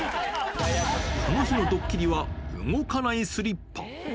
この日のドッキリは、動かないスリッパ。